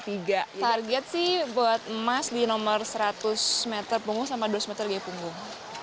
target sih buat emas di nomor seratus meter punggung sama dua ratus meter gaya punggung